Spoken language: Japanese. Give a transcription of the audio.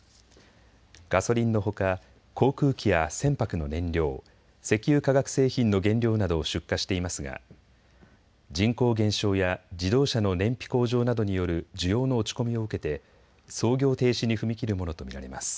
ガソリンのほか航空機や船舶の燃料、石油化学製品の原料などを出荷していますが人口減少や自動車の燃費向上などによる需要の落ち込みを受けて創業停止に踏み切るものと見られます。